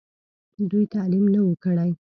دوي تعليم نۀ وو کړی